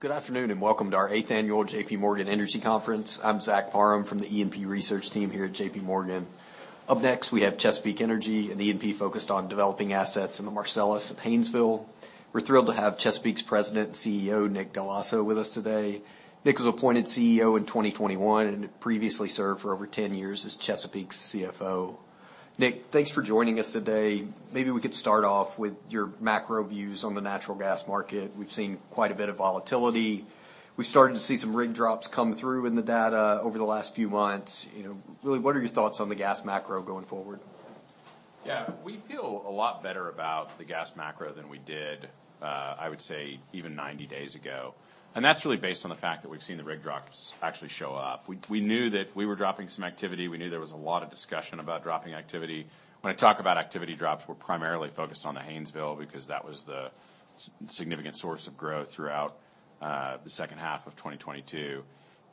Good afternoon, welcome to our eighth annual JPMorgan Energy Conference. I'm Zach Parham from the E&P research team here at JPMorgan. Up next, we have Chesapeake Energy, an E&P focused on developing assets in the Marcellus and Haynesville. We're thrilled to have Chesapeake's President and CEO, Nick Dell'Osso, with us today. Nick was appointed CEO in 2021 and previously served for over 10 years as Chesapeake's CFO. Nick, thanks for joining us today. Maybe we could start off with your macro views on the natural gas market. We've seen quite a bit of volatility. We've started to see some rig drops come through in the data over the last few months. You know, really, what are your thoughts on the gas macro going forward? Yeah. We feel a lot better about the gas macro than we did, I would say, even 90 days ago. That's really based on the fact that we've seen the rig drops actually show up. We knew that we were dropping some activity. We knew there was a lot of discussion about dropping activity. When I talk about activity drops, we're primarily focused on the Haynesville, because that was the significant source of growth throughout the second half of 2022.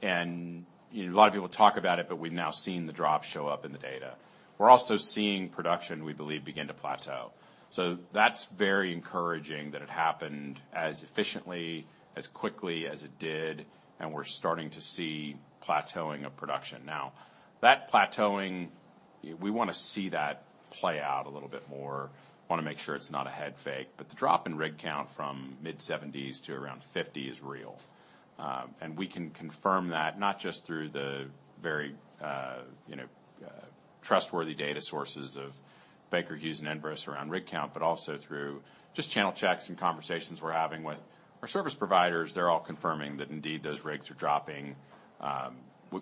You know, a lot of people talk about it, but we've now seen the drop show up in the data. We're also seeing production, we believe, begin to plateau. That's very encouraging that it happened as efficiently, as quickly as it did, and we're starting to see plateauing of production. That plateauing, we want to see that play out a little bit more. Want to make sure it's not a head fake. The drop in rig count from mid-70s to around 50 is real. We can confirm that not just through the very, you know, trustworthy data sources of Baker Hughes and Enverus around rig count, but also through just channel checks and conversations we're having with our service providers. They're all confirming that indeed, those rigs are dropping.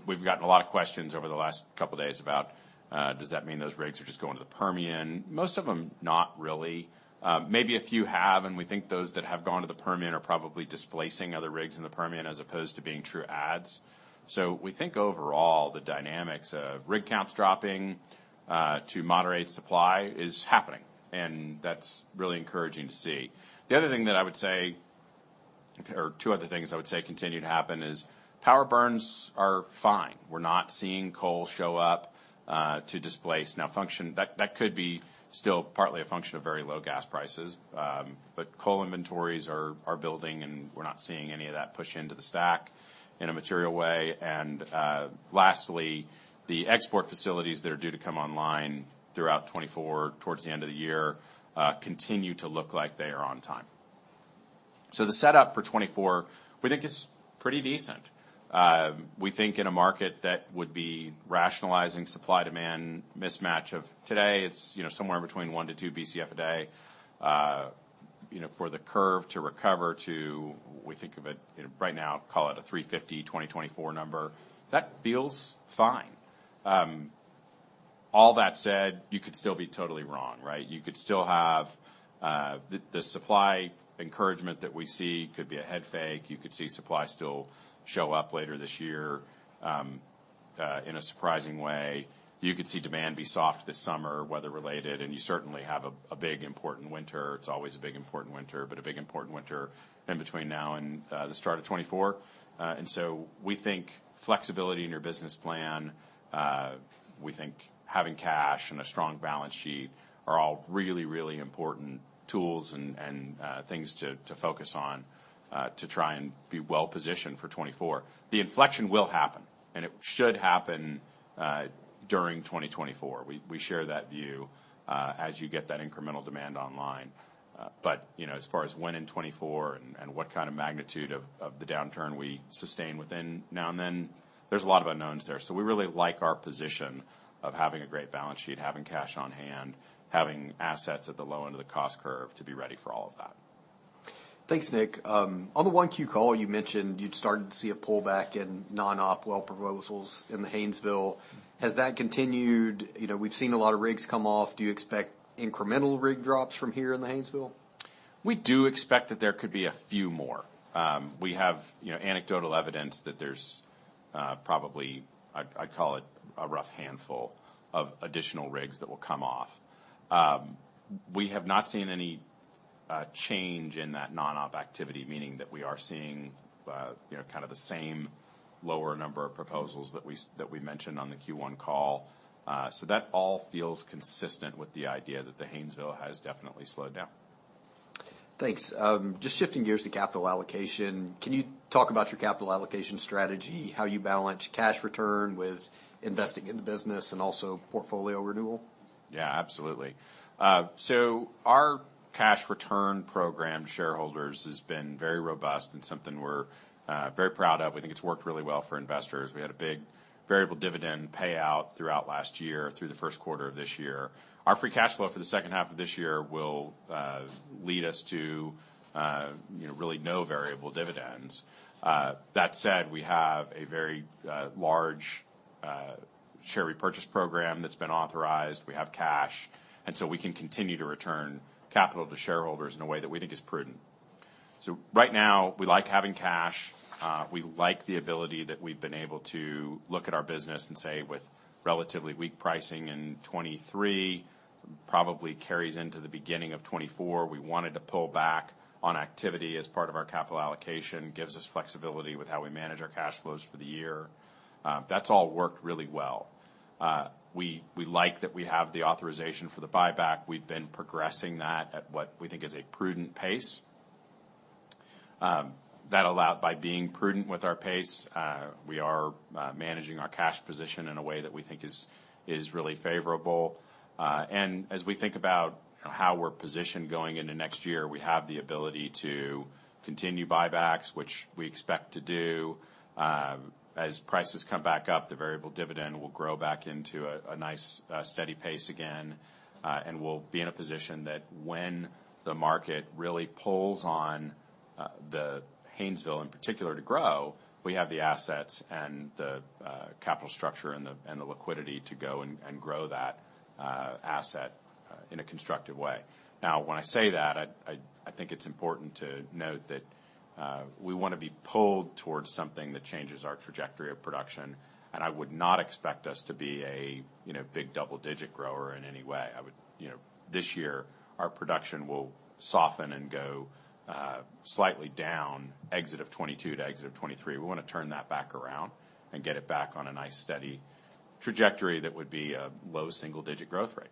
We've gotten a lot of questions over the last couple of days about, does that mean those rigs are just going to the Permian? Most of them, not really. Maybe a few have, and we think those that have gone to the Permian are probably displacing other rigs in the Permian, as opposed to being true adds. We think overall, the dynamics of rig counts dropping to moderate supply is happening, and that's really encouraging to see. The other thing that I would say, or two other things I would say continue to happen, is power burns are fine. We're not seeing coal show up to displace. That could be still partly a function of very low gas prices, but coal inventories are building, and we're not seeing any of that push into the stack in a material way. Lastly, the export facilities that are due to come online throughout 2024, towards the end of the year, continue to look like they are on time. The setup for 2024, we think is pretty decent. We think in a market that would be rationalizing supply-demand mismatch of today, it's, you know, somewhere between 1 to 2 BCF a day. You know, for the curve to recover to, we think of it, you know, right now, call it a $3.50, 2024 number. That feels fine. All that said, you could still be totally wrong, right? You could still have. The supply encouragement that we see could be a head fake. You could see supply still show up later this year in a surprising way. You could see demand be soft this summer, weather-related, and you certainly have a big, important winter. It's always a big, important winter, but a big, important winter in between now and the start of 2024. We think flexibility in your business plan, we think having cash and a strong balance sheet are all really important tools and things to focus on, to try and be well-positioned for 2024. The inflection will happen, and it should happen, during 2024. We share that view, as you get that incremental demand online. You know, as far as when in 2024 and what kind of magnitude of the downturn we sustain within now and then, there's a lot of unknowns there. We really like our position of having a great balance sheet, having cash on hand, having assets at the low end of the cost curve to be ready for all of that. Thanks, Nick. On the 1 Q call, you mentioned you'd started to see a pullback in non-op well proposals in the Haynesville. Has that continued? You know, we've seen a lot of rigs come off. Do you expect incremental rig drops from here in the Haynesville? We do expect that there could be a few more. We have, you know, anecdotal evidence that there's, probably, I'd call it, a rough handful of additional rigs that will come off. We have not seen any change in that non-op activity, meaning that we are seeing, you know, kind of the same lower number of proposals that we mentioned on the Q1 call. That all feels consistent with the idea that the Haynesville has definitely slowed down. Thanks. Just shifting gears to capital allocation. Can you talk about your capital allocation strategy, how you balance cash return with investing in the business and also portfolio renewal? Yeah, absolutely. Our cash return program to shareholders has been very robust and something we're very proud of. We think it's worked really well for investors. I had a big variable dividend payout throughout last year, through the first quarter of this year. Our free cash flow for the second half of this year will lead us to, you know, really no variable dividends. That said, we have a very large share repurchase program that's been authorized. We have cash, we can continue to return capital to shareholders in a way that we think is prudent. Right now, we like having cash. We like the ability that we've been able to look at our business and say, with relatively weak pricing in 2023, probably carries into the beginning of 2024. We wanted to pull back on activity as part of our capital allocation. Gives us flexibility with how we manage our cash flows for the year. That's all worked really well. We like that we have the authorization for the buyback. We've been progressing that at what we think is a prudent pace. That allowed by being prudent with our pace, we are managing our cash position in a way that we think is really favorable. As we think about how we're positioned going into next year, we have the ability to continue buybacks, which we expect to do. As prices come back up, the variable dividend will grow back into a nice, steady pace again, and we'll be in a position that when the market really pulls on the Haynesville, in particular, to grow, we have the assets and the capital structure and the liquidity to go and grow that asset in a constructive way. Now, when I say that, I think it's important to note that we want to be pulled towards something that changes our trajectory of production, and I would not expect us to be a, you know, big double-digit grower in any way. You know, this year, our production will soften and go slightly down, exit of 2022 to exit of 2023. We wanna turn that back around and get it back on a nice, steady trajectory that would be a low single-digit growth rate.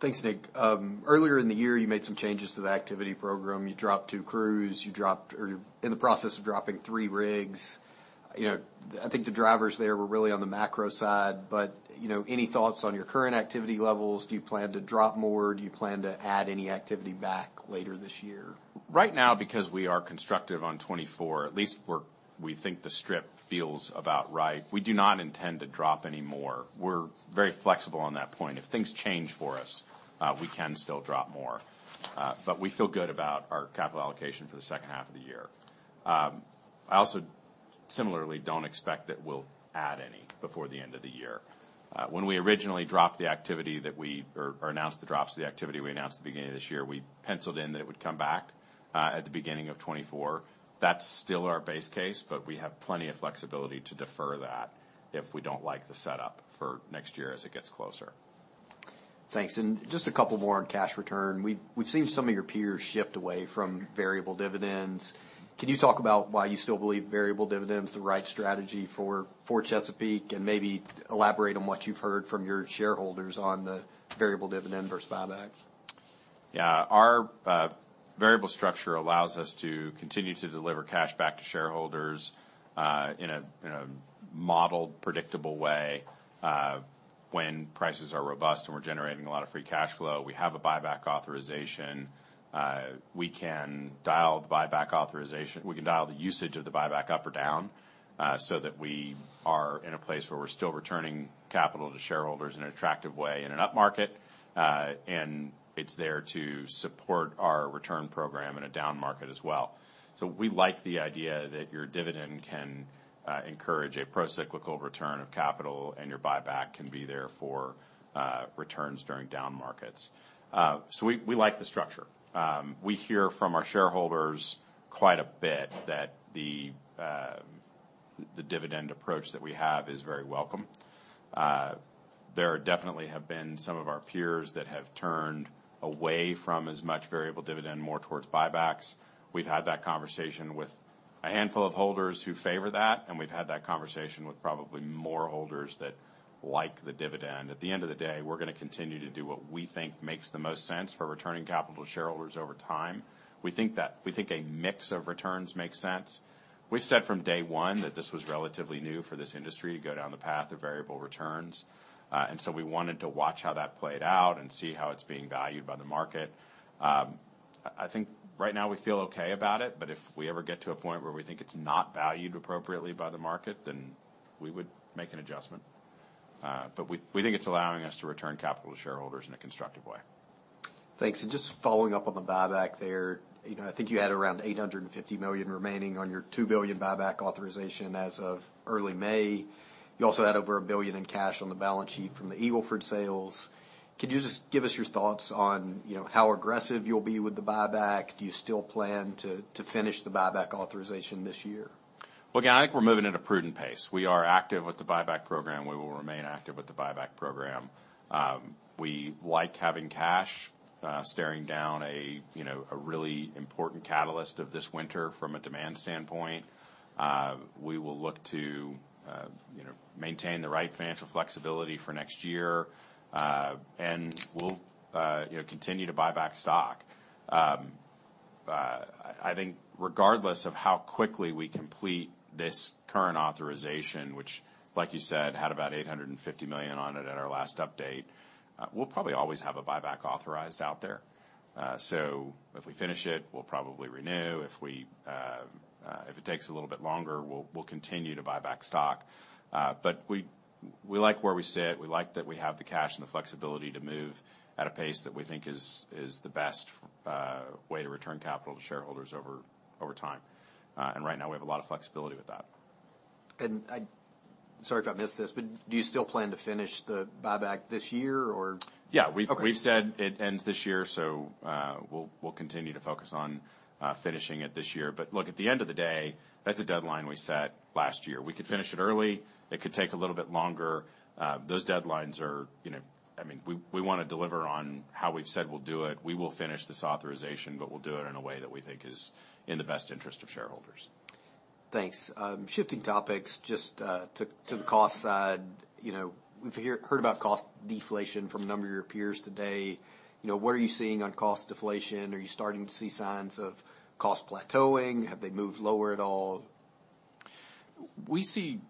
Thanks, Nick. Earlier in the year, you made some changes to the activity program. You dropped 2 crews, or in the process of dropping 3 rigs. You know, I think the drivers there were really on the macro side, but, you know, any thoughts on your current activity levels? Do you plan to drop more? Do you plan to add any activity back later this year? Right now, because we are constructive on 2024, at least we think the strip feels about right. We do not intend to drop any more. We're very flexible on that point. If things change for us, we can still drop more, but we feel good about our capital allocation for the second half of the year. I also similarly don't expect that we'll add any before the end of the year. When we originally dropped the activity that or announced the drops to the activity, we announced at the beginning of this year, we penciled in that it would come back, at the beginning of 2024. That's still our base case, but we have plenty of flexibility to defer that if we don't like the setup for next year as it gets closer. Thanks. Just a couple more on cash return. We've seen some of your peers shift away from variable dividends. Can you talk about why you still believe variable dividend's the right strategy for Chesapeake Energy, and maybe elaborate on what you've heard from your shareholders on the variable dividend versus buybacks? Yeah. Our variable structure allows us to continue to deliver cash back to shareholders, in a modeled, predictable way. When prices are robust and we're generating a lot of free cash flow, we have a buyback authorization. We can dial the usage of the buyback up or down, so that we are in a place where we're still returning capital to shareholders in an attractive way in an upmarket, and it's there to support our return program in a downmarket as well. We like the idea that your dividend can encourage a procyclical return of capital, and your buyback can be there for returns during downmarkets. We, we like the structure. We hear from our shareholders quite a bit that the dividend approach that we have is very welcome. There definitely have been some of our peers that have turned away from as much variable dividend, more towards buybacks. We've had that conversation with a handful of holders who favor that, and we've had that conversation with probably more holders that like the dividend. At the end of the day, we're gonna continue to do what we think makes the most sense for returning capital to shareholders over time. We think a mix of returns makes sense. We've said from day one that this was relatively new for this industry to go down the path of variable returns, and so we wanted to watch how that played out and see how it's being valued by the market. I think right now we feel okay about it. If we ever get to a point where we think it's not valued appropriately by the market, then we would make an adjustment. We think it's allowing us to return capital to shareholders in a constructive way. Thanks. Just following up on the buyback there, you know, I think you had around $850 million remaining on your $2 billion buyback authorization as of early May. You also had over $1 billion in cash on the balance sheet from the Eagle Ford sales. Could you just give us your thoughts on, you know, how aggressive you'll be with the buyback? Do you still plan to finish the buyback authorization this year? Well, again, I think we're moving at a prudent pace. We are active with the buyback program. We will remain active with the buyback program. We like having cash, staring down a, you know, a really important catalyst of this winter from a demand standpoint. We will look to, you know, maintain the right financial flexibility for next year, and we'll, you know, continue to buy back stock. I think regardless of how quickly we complete this current authorization, which, like you said, had about $850 million on it at our last update, we'll probably always have a buyback authorized out there. If we finish it, we'll probably renew. If it takes a little bit longer, we'll continue to buy back stock. We like where we sit. We like that we have the cash and the flexibility to move at a pace that we think is the best way to return capital to shareholders over time. Right now, we have a lot of flexibility with that. Sorry if I missed this, do you still plan to finish the buyback this year, or? Yeah. Okay. We've said it ends this year, so we'll continue to focus on finishing it this year. Look, at the end of the day, that's a deadline we set last year. We could finish it early. It could take a little bit longer. Those deadlines are, you know, I mean, we wanna deliver on how we've said we'll do it. We will finish this authorization. We'll do it in a way that we think is in the best interest of shareholders. Thanks. Shifting topics just to the cost side. You know, we've heard about cost deflation from a number of your peers today. You know, what are you seeing on cost deflation? Are you starting to see signs of cost plateauing? Have they moved lower at all? We see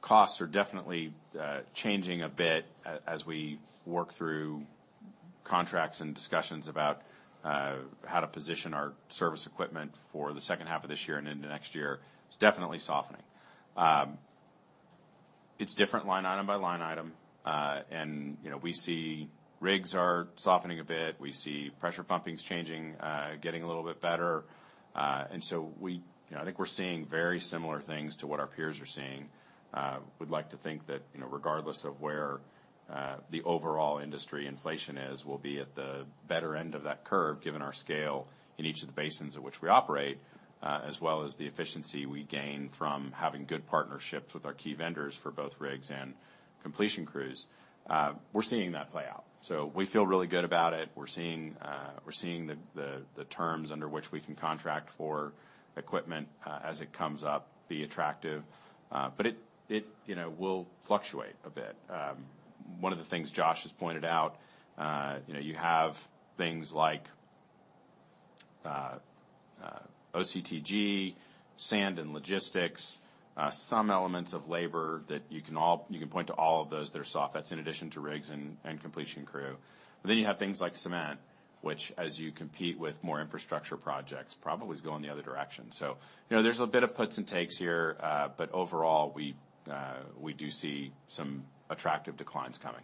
costs are definitely changing a bit as we work through contracts and discussions about how to position our service equipment for the second half of this year and into next year. It's definitely softening. It's different line item by line item. You know, we see rigs are softening a bit. We see pressure pumping's changing, getting a little bit better. You know, I think we're seeing very similar things to what our peers are seeing. We'd like to think that, you know, regardless of where the overall industry inflation is, we'll be at the better end of that curve, given our scale in each of the basins in which we operate, as well as the efficiency we gain from having good partnerships with our key vendors for both rigs and completion crews. We're seeing that play out. We feel really good about it. We're seeing the terms under which we can contract for equipment as it comes up, be attractive. It, you know, will fluctuate a bit. One of the things Josh has pointed out, you know, you have things like OCTG, sand and logistics, some elements of labor that you can point to all of those that are soft, that's in addition to rigs and completion crew. You have things like cement, which, as you compete with more infrastructure projects, probably is going the other direction. You know, there's a bit of puts and takes here. Overall, we do see some attractive declines coming.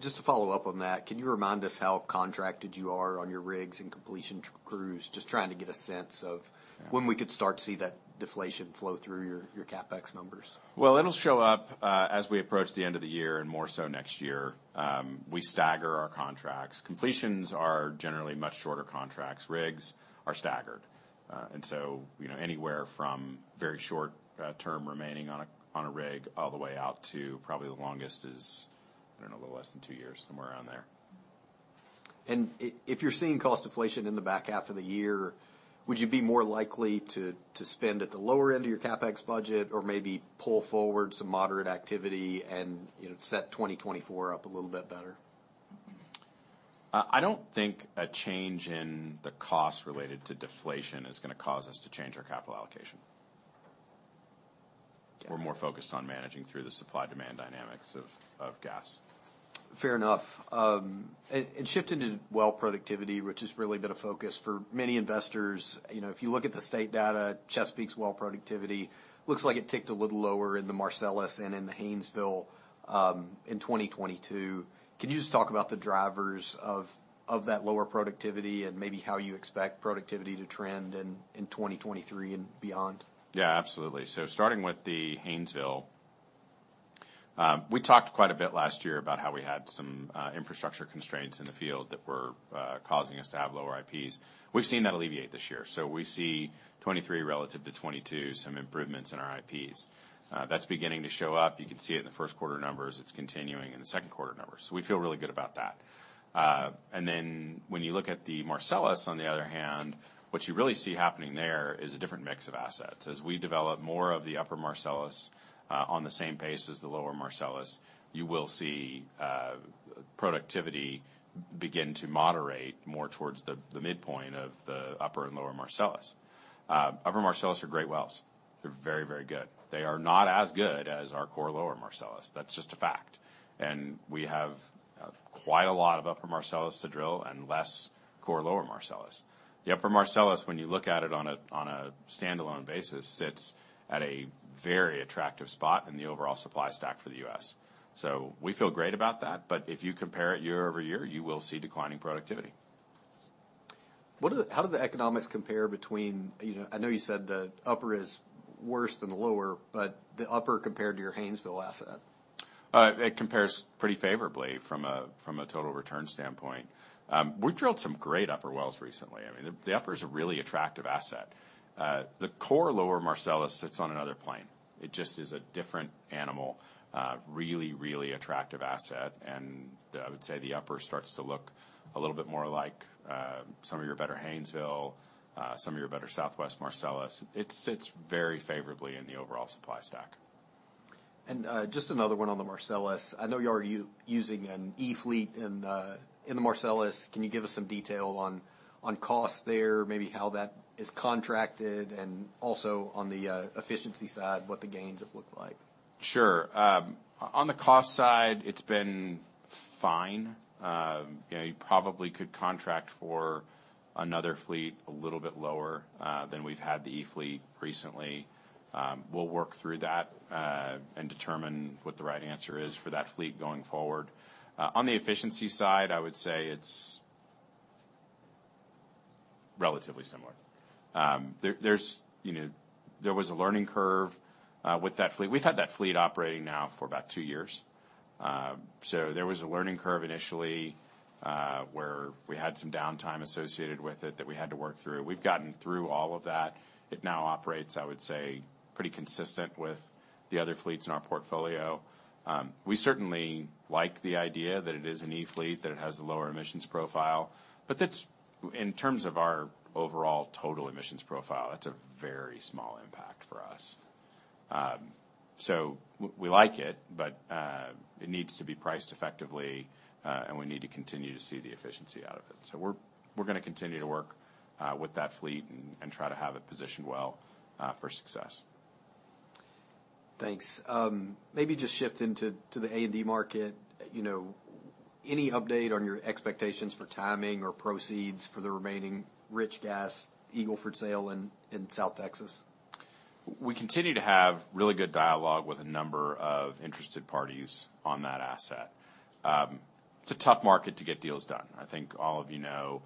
Just to follow up on that, can you remind us how contracted you are on your rigs and completion crews? Just trying to get a sense of. Yeah when we could start to see that deflation flow through your CapEx numbers. Well, it'll show up as we approach the end of the year, and more so next year. We stagger our contracts. Completions are generally much shorter contracts. Rigs are staggered. You know, anywhere from very short term remaining on a, on a rig, all the way out to probably the longest is, I don't know, a little less than two years, somewhere around there. If you're seeing cost deflation in the back half of the year, would you be more likely to spend at the lower end of your CapEx budget or maybe pull forward some moderate activity and, you know, set 2024 up a little bit better? I don't think a change in the cost related to deflation is gonna cause us to change our capital allocation. Yeah. We're more focused on managing through the supply-demand dynamics of gas. Fair enough. Shifting to well productivity, which has really been a focus for many investors. You know, if you look at the state data, Chesapeake's well productivity looks like it ticked a little lower in the Marcellus and in the Haynesville, in 2022. Can you just talk about the drivers of that lower productivity and maybe how you expect productivity to trend in 2023 and beyond? Absolutely. Starting with the Haynesville, we talked quite a bit last year about how we had some infrastructure constraints in the field that were causing us to have lower IPs. We've seen that alleviate this year. We see 23 relative to 22, some improvements in our IPs. That's beginning to show up. You can see it in the first quarter numbers. It's continuing in the second quarter numbers. We feel really good about that. And then when you look at the Marcellus, on the other hand, what you really see happening there is a different mix of assets. As we develop more of the upper Marcellus, on the same pace as the lower Marcellus, you will see productivity begin to moderate more towards the midpoint of the upper and lower Marcellus. Upper Marcellus are great wells. They're very, very good. They are not as good as our core lower Marcellus. That's just a fact. We have quite a lot of upper Marcellus to drill and less core lower Marcellus. The upper Marcellus, when you look at it on a, on a standalone basis, sits at a very attractive spot in the overall supply stack for the U.S. We feel great about that, but if you compare it year-over-year, you will see declining productivity. How do the economics compare between, you know... I know you said the upper is worse than the lower, but the upper compared to your Haynesville asset? It compares pretty favorably from a total return standpoint. We've drilled some great upper wells recently. I mean, the upper is a really attractive asset. The core lower Marcellus sits on another plane. It just is a different animal. Really attractive asset, I would say the upper starts to look a little bit more like some of your better Haynesville, some of your better Southwest Marcellus. It sits very favorably in the overall supply stack. Just another one on the Marcellus. I know you're using an e-fleet in the Marcellus. Can you give us some detail on costs there, maybe how that is contracted, and also on the efficiency side, what the gains have looked like? Sure. On the cost side, it's been fine. You know, you probably could contract for another fleet a little bit lower than we've had the e-fleet recently. We'll work through that and determine what the right answer is for that fleet going forward. On the efficiency side, I would say it's relatively similar. There's, you know, there was a learning curve with that fleet. We've had that fleet operating now for about two years. There was a learning curve initially where we had some downtime associated with it that we had to work through. We've gotten through all of that. It now operates, I would say, pretty consistent with the other fleets in our portfolio. We certainly like the idea that it is an e-fleet, that it has a lower emissions profile, but that's in terms of our overall total emissions profile, that's a very small impact for us. We like it, but it needs to be priced effectively, and we need to continue to see the efficiency out of it. We're gonna continue to work with that fleet and try to have it positioned well for success. Thanks. maybe just shift into the A&D market. You know, any update on your expectations for timing or proceeds for the remaining rich gas Eagle Ford sale in South Texas? We continue to have really good dialogue with a number of interested parties on that asset. It's a tough market to get deals done. I think all of you know,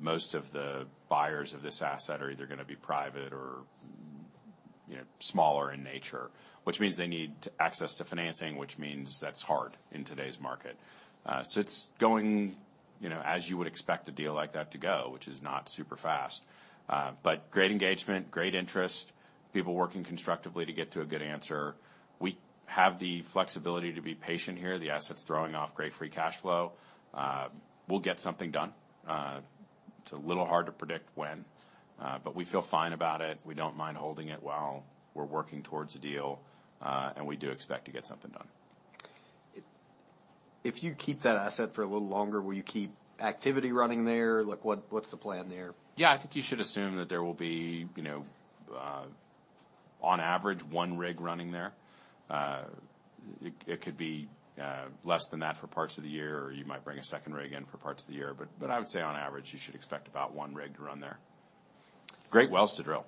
most of the buyers of this asset are either gonna be private or, you know, smaller in nature, which means they need access to financing, which means that's hard in today's market. It's going, you know, as you would expect a deal like that to go, which is not super fast. Great engagement, great interest, people working constructively to get to a good answer. We have the flexibility to be patient here. The asset's throwing off great free cash flow. We'll get something done. It's a little hard to predict when, but we feel fine about it. We don't mind holding it while we're working towards a deal, and we do expect to get something done. If you keep that asset for a little longer, will you keep activity running there? Like, what's the plan there? Yeah, I think you should assume that there will be, you know, on average, one rig running there. It could be less than that for parts of the year, or you might bring a second rig in for parts of the year. I would say, on average, you should expect about one rig to run there. Great wells to drill.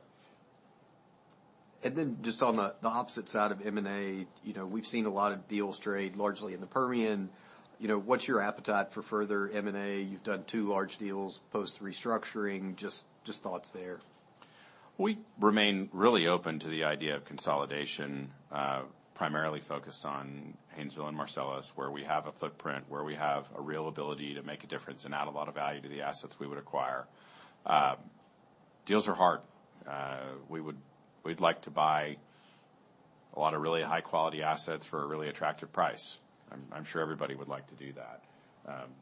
Just on the opposite side of M&A, you know, we've seen a lot of deals trade largely in the Permian. You know, what's your appetite for further M&A? You've done two large deals post-restructuring. Just thoughts there. We remain really open to the idea of consolidation, primarily focused on Haynesville and Marcellus, where we have a footprint, where we have a real ability to make a difference and add a lot of value to the assets we would acquire. Deals are hard. We'd like to buy a lot of really high-quality assets for a really attractive price. I'm sure everybody would like to do that.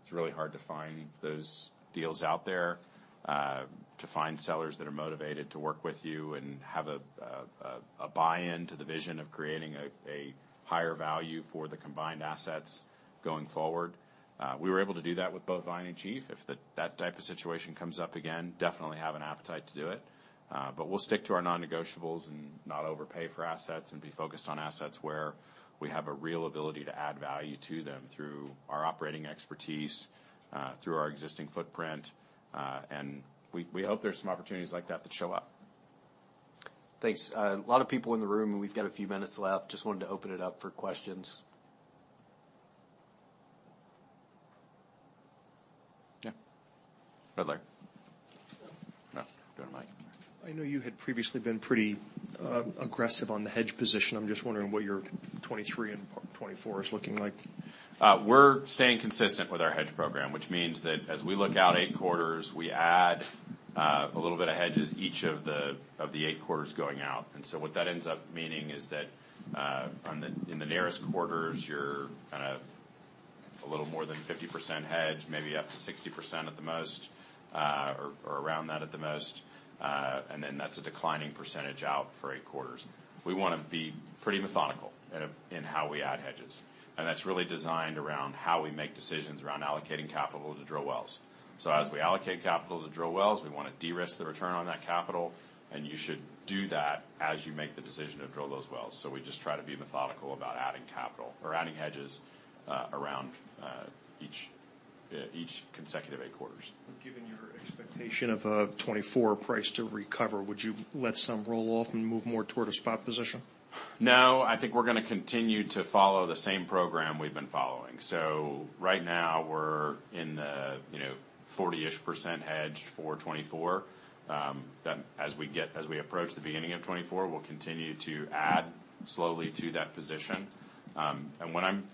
It's really hard to find those deals out there, to find sellers that are motivated to work with you and have a buy-in to the vision of creating a higher value for the combined assets going forward. We were able to do that with both Vine and Chief. If that type of situation comes up again, definitely have an appetite to do it. We'll stick to our non-negotiables and not overpay for assets, and be focused on assets where we have a real ability to add value to them through our operating expertise, through our existing footprint. We hope there's some opportunities like that show up. Thanks. A lot of people in the room, and we've got a few minutes left. Just wanted to open it up for questions. Yeah. Butler. No, go to the mic. I know you had previously been pretty aggressive on the hedge position. I'm just wondering what your 2023 and 2024 is looking like? We're staying consistent with our hedge program, which means that as we look out 8 quarters, we add a little bit of hedges, each of the 8 quarters going out. What that ends up meaning is that in the nearest quarters, you're kind of a little more than 50% hedged, maybe up to 60% at the most, or around that at the most. That's a declining percentage out for 8 quarters. We wanna be pretty methodical in how we add hedges, and that's really designed around how we make decisions around allocating capital to drill wells. As we allocate capital to drill wells, we want to de-risk the return on that capital, and you should do that as you make the decision to drill those wells. We just try to be methodical about adding capital or adding hedges, around each consecutive eight quarters. Given your expectation of a 2024 price to recover, would you let some roll off and move more toward a spot position? I think we're gonna continue to follow the same program we've been following. Right now, we're in the, you know, 40-ish% hedged for 2024. As we approach the beginning of 2024, we'll continue to add slowly to that position. When I'm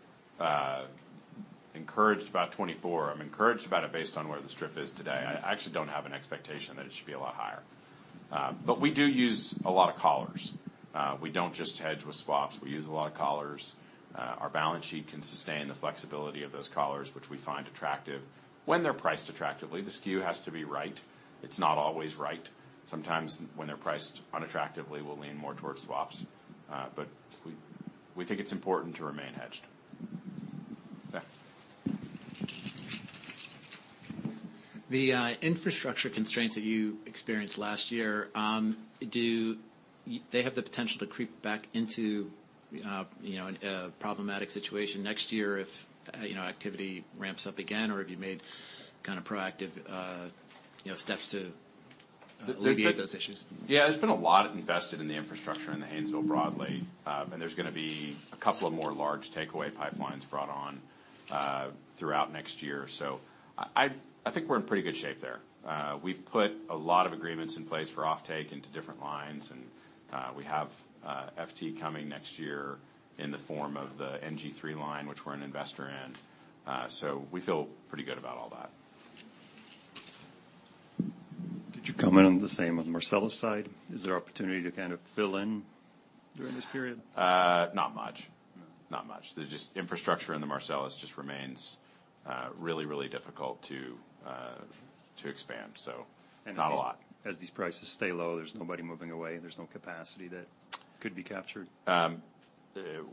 encouraged about 2024, I'm encouraged about it based on where the strip is today. I actually don't have an expectation that it should be a lot higher. We do use a lot of collars. We don't just hedge with swaps. We use a lot of collars. Our balance sheet can sustain the flexibility of those collars, which we find attractive when they're priced attractively. The SKU has to be right. It's not always right. Sometimes when they're priced unattractively, we'll lean more towards swaps, but we think it's important to remain hedged. Yeah. The infrastructure constraints that you experienced last year, do they have the potential to creep back into, you know, a problematic situation next year if, you know, activity ramps up again, or have you made kind of proactive, you know, steps to alleviate those issues? Yeah, there's been a lot invested in the infrastructure in the Haynesville broadly. There's gonna be a couple of more large takeaway pipelines brought on throughout next year. I think we're in pretty good shape there. We've put a lot of agreements in place for offtake into different lines, and we have FT coming next year in the form of the NG3 line, which we're an investor in. We feel pretty good about all that. Did you comment on the same on the Marcellus side? Is there opportunity to kind of fill in during this period? Not much. No. Not much. There's just infrastructure in the Marcellus just remains really difficult to expand. Not a lot. As these prices stay low, there's nobody moving away, there's no capacity that could be captured?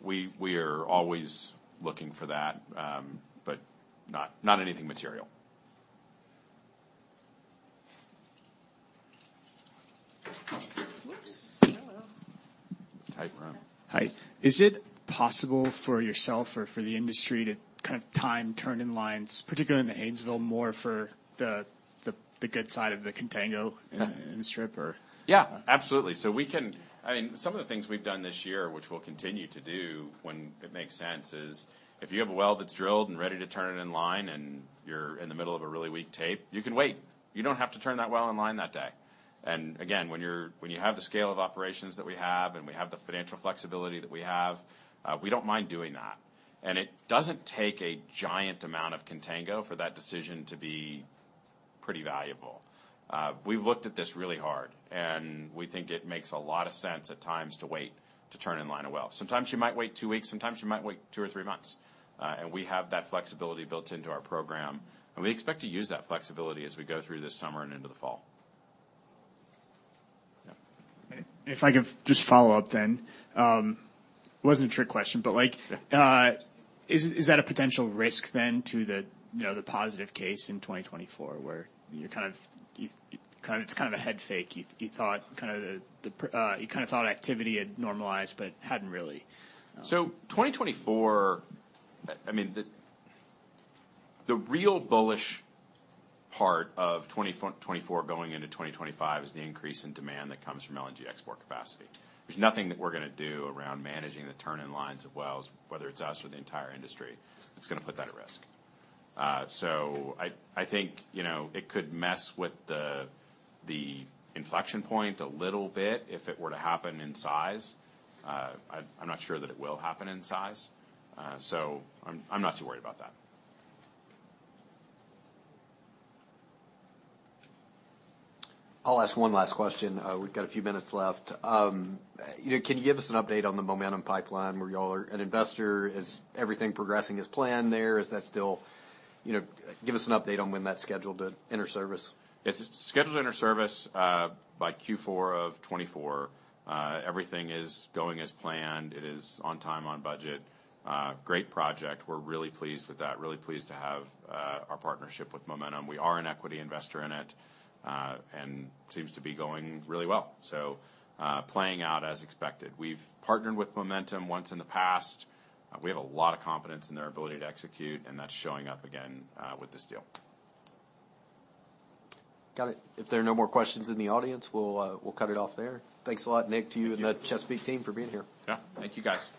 We are always looking for that, but not anything material. Oops! Hello. It's a tight room. Hi. Is it possible for yourself or for the industry to kind of time turn-in-lines, particularly in the Haynesville, more for the, the good side of the contango in the strip, or? Absolutely. I mean, some of the things we've done this year, which we'll continue to do when it makes sense, is if you have a well that's drilled and ready to turn it in line, and you're in the middle of a really weak tape, you can wait. You don't have to turn that well in line that day. Again, when you have the scale of operations that we have, and we have the financial flexibility that we have, we don't mind doing that. It doesn't take a giant amount of contango for that decision to be pretty valuable. We've looked at this really hard, and we think it makes a lot of sense at times to wait to turn in line a well. Sometimes you might wait two weeks, sometimes you might wait two or three months. We have that flexibility built into our program, and we expect to use that flexibility as we go through this summer and into the fall. Yeah. If I could just follow up then. It wasn't a trick question, but, like is that a potential risk then to the, you know, the positive case in 2024, where you're kind of, it's kind of a head fake. You kind of thought activity had normalized but hadn't really? 2024, I mean, the real bullish part of 2024 going into 2025 is the increase in demand that comes from LNG export capacity. There's nothing that we're gonna do around managing the turn-in-lines of wells, whether it's us or the entire industry, that's gonna put that at risk. I think, you know, it could mess with the inflection point a little bit if it were to happen in size. I'm not sure that it will happen in size, I'm not too worried about that. I'll ask one last question. We've got a few minutes left. You know, can you give us an update on the Momentum Midstream, where y'all are an investor? Is everything progressing as planned there? You know, give us an update on when that's scheduled to enter service. It's scheduled to enter service by Q4 of 2024. Everything is going as planned. It is on time, on budget. Great project. We're really pleased with that. Really pleased to have our partnership with Momentum. We are an equity investor in it, and seems to be going really well, so playing out as expected. We've partnered with Momentum once in the past. We have a lot of confidence in their ability to execute, and that's showing up again with this deal. Got it. If there are no more questions in the audience, we'll cut it off there. Thanks a lot, Nick. Thank you.... and the Chesapeake team for being here. Yeah. Thank you, guys.